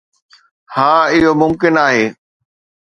ها اهو ممڪن آهي.